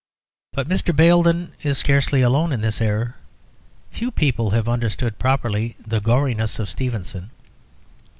But Mr. Baildon is scarcely alone in this error: few people have understood properly the goriness of Stevenson.